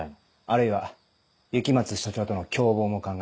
あるいは雪松署長との共謀も考えられる。